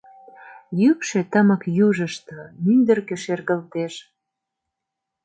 Йӱкшӧ тымык южышто мӱндыркӧ шергылтеш.